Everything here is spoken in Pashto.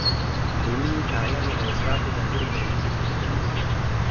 رومي اعیانو او اشرافو ځانګړې کرنیزې ځمکې درلودې.